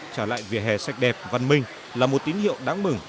trả lại vỉa hè sạch đẹp văn minh là một tín hiệu đáng mừng